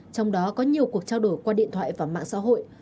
trong đó có nhiều cuộc trao đổi qua điện thoại và mạng xã hội